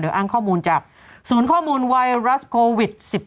อ้างข้อมูลจากศูนย์ข้อมูลไวรัสโควิด๑๙